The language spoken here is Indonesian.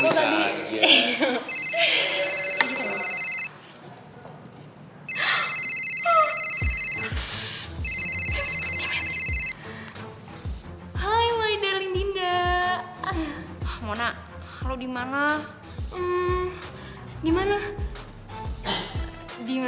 sampai jumpa di video selanjutnya